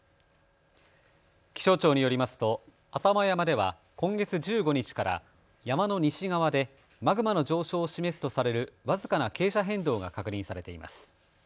気象庁によりますと浅間山では今月１５日から山の西側でマグマの上昇を示すとされる僅かな傾斜変動が確認されています。